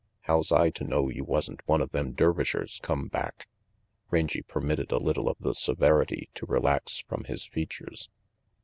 How's I to know you wasn't one of them Dervishers come back?" Rangy permitted a little of the severity to relax from his features.